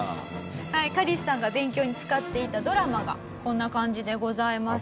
カリスさんが勉強に使っていたドラマがこんな感じでございます。